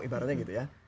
ibaratnya gitu ya